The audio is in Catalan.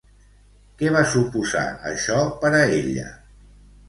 Què va suposar això per a ella?